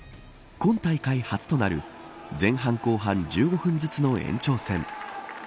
今大会初となる前半後半１５分ずつの延長戦。